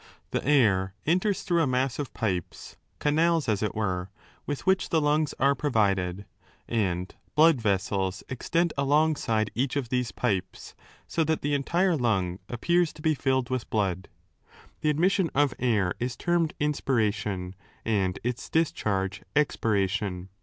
The air enters through a mass of pipps, canals as it were, with which the lungs are provided, and blood vessels extend alongside each of these pipes, so that the entire lung appears to be filled with blood. The admission of air is termed inspiration, 5 and its discharge, expiration.